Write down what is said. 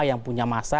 yang punya masa